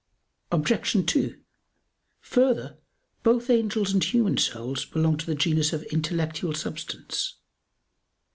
Obj. 2: Further, both angels and human souls belong to the genus of intellectual substance.